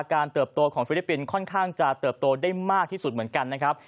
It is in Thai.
เติบโตของฟิลิปปินส์ค่อนข้างจะเติบโตได้มากที่สุดเหมือนกันนะครับ